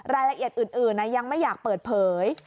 รายละเอียดอื่นยังไม่อยากเปิดเผย